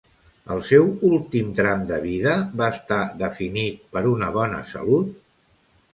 El seu últim tram de vida va estar definit per una bona salut?